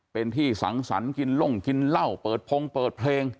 เป็นที่สังสรรค์กินล่งกินเหล้าเปิดพงเปิดเพลง